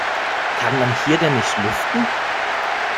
Kann man hier denn nicht lüften?